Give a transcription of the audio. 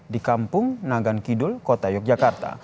di kampung nagan kidul kota yogyakarta